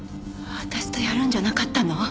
私とやるんじゃなかったの？